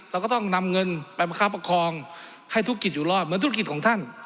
เราก็ต้องนำเงินไปประคับประคองให้ธุรกิจอยู่รอดเหมือนธุรกิจของท่าน